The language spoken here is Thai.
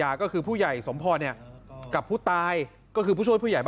แล้วก็มีโทรคุยกันด้วยเขาก็เลยก่อเหตุครับ